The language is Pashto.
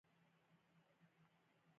د مخالفینو مشري د عبدالله نوري پر غاړه وه.